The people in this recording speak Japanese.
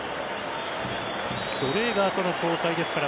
ドレーガーとの交代ですか。